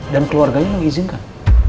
dan keluarganya mengizinkan